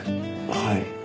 はい。